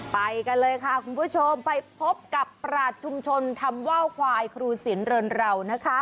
ไปกันเลยค่ะคุณผู้ชมไปพบกับปราศชุมชนทำว่าวควายครูสินเรินเรานะคะ